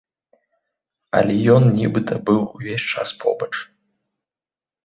Але ён нібыта быў увесь час побач.